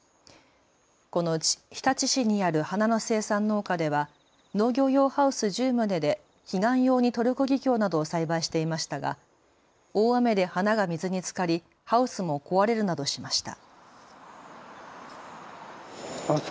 このうち日立市にある花の生産農家では農業用ハウス１０棟で彼岸用にトルコギキョウなどを栽培していましたが大雨で花が水につかりハウスも壊れるなどしました。